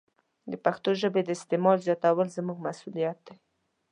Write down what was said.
د پښتو ژبې د استعمال زیاتول زموږ مسوولیت دی.